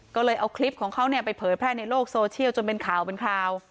ก็เลยเอาคลิปของเขาไปเผยแพร่ในโลกโซเชียลจนเป็นข่าวเป็นคราว